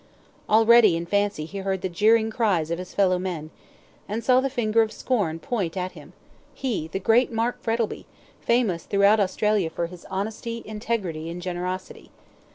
Already, in fancy, he heard the jeering cries of his fellow men, and saw the finger of scorn point at him he, the great Mark Frettlby, famous throughout Australia for his honesty, integrity, and generosity.